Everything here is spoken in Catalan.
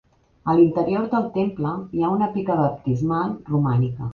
A l'interior del temple hi ha una pica baptismal romànica.